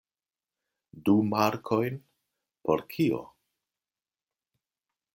Du markojn? Por kio?